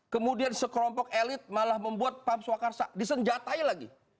kemudian sekelompok elit malah membuat pam swakarsa disenjatai lagi